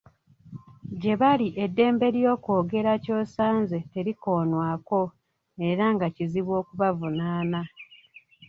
Gye bali eddembe ly'okwogera ky'osanze terikonwako era nga kizibu okubavunaana.